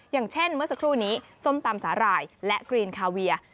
อย่างเช่นเมื่อสักครู่นี้ส้มตำสาหร่ายและกรีนคาเวีย